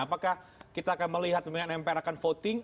apakah kita akan melihat pimpinan mpr akan voting